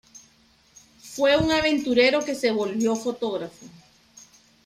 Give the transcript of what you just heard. Fue un aventurero que se volvió fotógrafo.